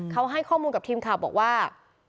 เขาให้ข้อมูลกับทีมข่าวบอกว่า